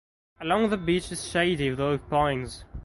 Along the beach is shady with oak pines.